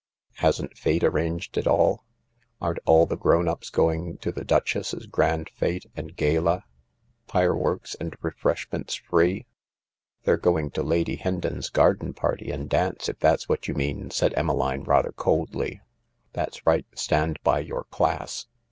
" Hasn't Fate arranged it all ? Aren't all the grown ups going to the Duchess's grand fete and gala — fireworks and refreshments free ?" "They're going to Lady Hendon's garden party and dance, if that's what you mean," said Emmeline, rather coldly. " That's right— stand by your class.